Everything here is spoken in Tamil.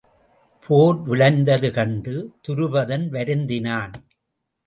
போர் விளைந்தது கண்டு துருபதன் வருந்தினான்.